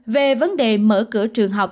về vấn đề mở cửa trường học